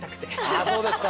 あそうですか。